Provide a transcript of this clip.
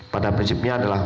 pada prinsipnya adalah